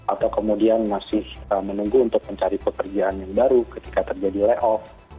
atau kemudian masih menunggu untuk mencari pekerjaan yang baru ketika terjadi layout